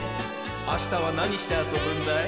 あしたはなにしてあそぶんだい？